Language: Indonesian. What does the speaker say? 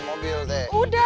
udah gak bisa